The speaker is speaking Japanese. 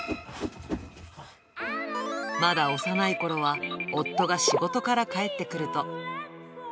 まだ幼いころは、夫が仕事から帰ってくると。